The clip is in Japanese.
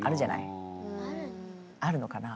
あるのかな？